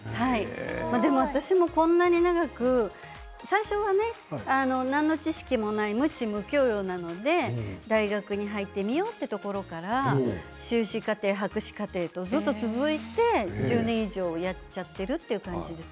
私もこんなに長く最初は何の知識もない無知無教養なので大学に入ってみようというところから修士課程、博士課程とずっと続いて１０年以上がたってるという感じなんです。